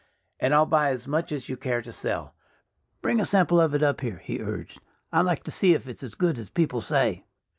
And I'll buy as much as you care to sell.... Bring a sample of it up here," he urged. "I'd like to see if it's as good as people say."